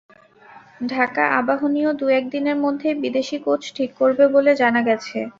ঢাকা আবাহনীও দু-এক দিনের মধ্যেই বিদেশি কোচ ঠিক করবে বলে জানা গেছে।